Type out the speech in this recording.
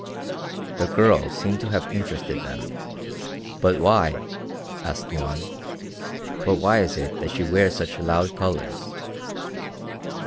The girl seemed to have interested them. "But why," asked one, "but why is it that she wears such loud colors?"